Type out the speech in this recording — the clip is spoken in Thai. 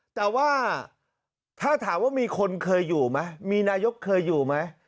แต่ว่าถ้าถามว่ามีคนเคยอยู่ไหมมีนายกเคยอยู่ไหม